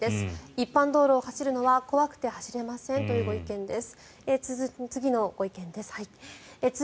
一般道路を走るのは怖くて走れませんというご意見です。